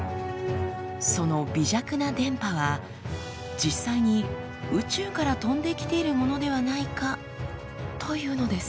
その微弱な電波は実際に宇宙から飛んできているものではないかというのです。